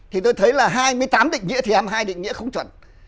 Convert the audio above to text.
thì tôi thấy là hai mươi tám định nghĩa thì em hai định nghĩa không chuẩn